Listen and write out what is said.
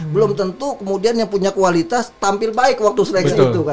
belum tentu kemudian yang punya kualitas tampil baik waktu seleksi itu kan